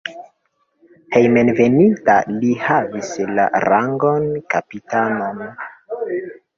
Hejmenveninta li havis la rangon kapitano.